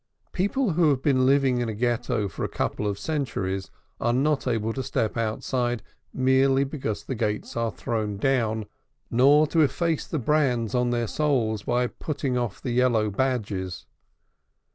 People who have been living in a Ghetto for a couple of centuries, are not able to step outside merely because the gates are thrown down, nor to efface the brands on their souls by putting off the yellow badges.